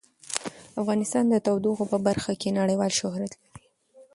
افغانستان د تودوخه په برخه کې نړیوال شهرت لري.